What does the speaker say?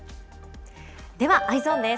では、Ｅｙｅｓｏｎです。